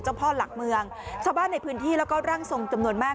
พ่อหลักเมืองชาวบ้านในพื้นที่แล้วก็ร่างทรงจำนวนมาก